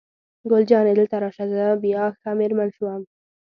ګل جانې: دلته راشه، زه بیا ښه مېرمن شوم.